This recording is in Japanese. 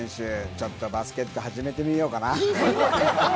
ちょっとバスケット始めてみようかな。